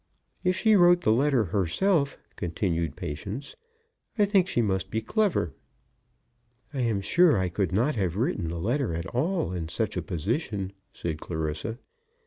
"If she wrote the letter herself," continued Patience, "I think she must be clever." "I am sure I could not have written a letter at all in such a position," said Clarissa.